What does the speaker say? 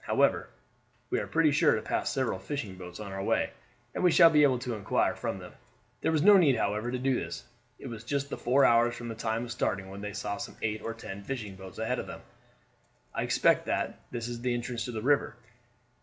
However, we are pretty sure to pass several fishing boats on our way, and we shall be able to inquire from them." There was no need, however, to do this. It was just the four hours from the time of starting when they saw some eight or ten fishing boats ahead of them. "I expect that that is the entrance to the river.